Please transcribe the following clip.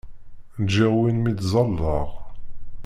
Ǧǧiɣ win mi ttẓallaɣ.